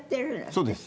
そうです。